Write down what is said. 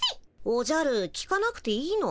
おじゃる聞かなくていいの？